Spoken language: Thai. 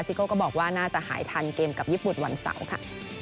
โก้ก็บอกว่าน่าจะหายทันเกมกับญี่ปุ่นวันเสาร์ค่ะ